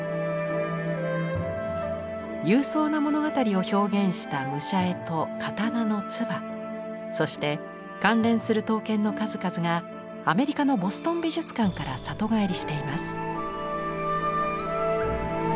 勇壮な物語を表現した武者絵と刀の鍔そして関連する刀剣の数々がアメリカのボストン美術館から里帰りしています。